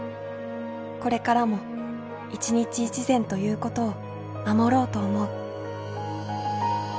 これからも一日一善ということを守ろうと思う」。